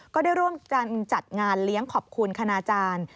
ก็ได้ร่วมกันจัดงานเลี้ยงขอบคุณคณาจารย์